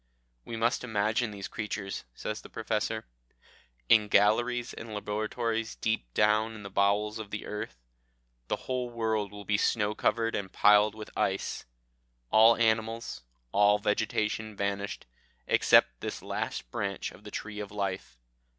"We must imagine these creatures," says the Professor, "in galleries and laboratories deep down in the bowels of the earth. The whole world will be snow covered and piled with ice; all animals, all vegetation vanished, except this last branch of the tree of life.